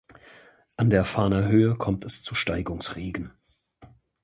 An der Fahner Höhe kommt es zu Steigungsregen.